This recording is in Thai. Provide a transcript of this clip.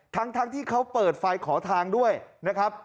ทั้งที่เขาเปิดไฟขอทางด้วยนะครับ